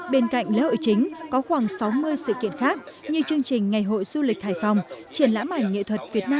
bên cạnh lễ hội chính có khoảng sáu mươi sự kiện khác như chương trình ngày hội du lịch hải phòng triển lãm ảnh nghệ thuật việt nam hai nghìn hai mươi